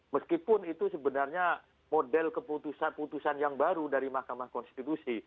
meskipun itu sebenarnya model keputusan putusan yang baru dari mahkamah konstitusi